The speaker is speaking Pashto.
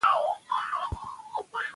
تفاهم د ستونزو د حل مهمه لار ده.